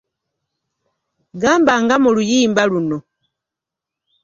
Gamba nga mu luyimba luno